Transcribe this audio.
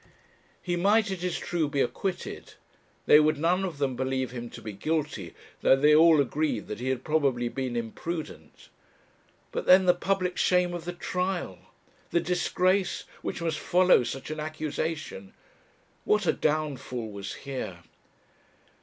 He might, it is true, be acquitted; they would none of them believe him to be guilty, though they all agreed that he had probably been imprudent; but then the public shame of the trial! the disgrace which must follow such an accusation! What a downfall was here!